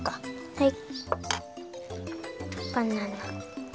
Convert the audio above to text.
はい。